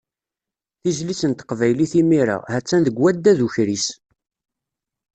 Tizlit n teqbaylit imir-a, ha-tt-an deg waddad ukris.